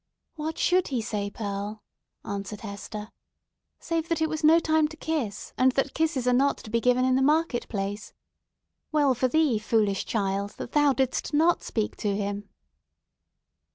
"What should he say, Pearl," answered Hester, "save that it was no time to kiss, and that kisses are not to be given in the market place? Well for thee, foolish child, that thou didst not speak to him!"